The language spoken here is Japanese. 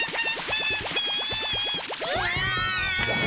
うわ！